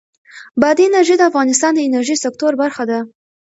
بادي انرژي د افغانستان د انرژۍ سکتور برخه ده.